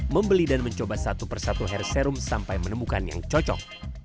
membeli dan mencoba satu persatu hair serum sampai menemukan yang cocok